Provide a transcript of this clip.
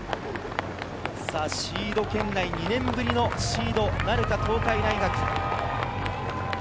シード圏内、２年ぶりのシードなるか、東海大学。